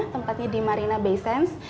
tempatnya di marina bay sands